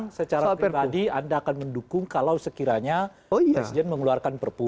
jadi secara pribadi anda akan mendukung kalau sekiranya presiden mengeluarkan perpu